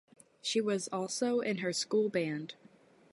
She was also in her school band.